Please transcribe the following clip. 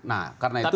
nah karena itu